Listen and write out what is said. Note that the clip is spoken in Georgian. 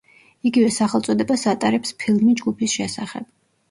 იგივე სახელწოდებას ატარებს ფილმი ჯგუფის შესახებ.